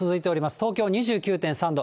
東京２９．３度、